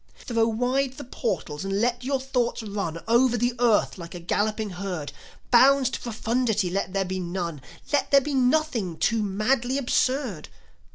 Throw wide the portals and let your thoughts run Over the earth like a galloping herd. Bounds to profundity let there be none, Let there be nothing too madly absurd.